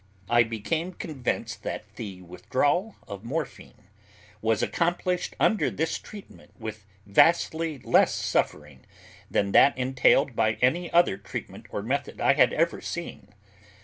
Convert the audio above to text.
I became convinced that the withdrawal of morphine was accomplished under this treatment with vastly less suffering than that entailed by any other treatment or method I had ever seen.